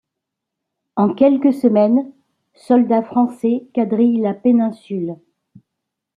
En quelques semaines, soldats français quadrillent la péninsule.